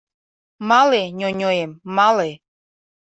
Мале, ньоньоем, мале...